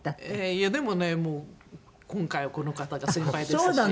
いやでもねもう今回はこの方が先輩でしたし。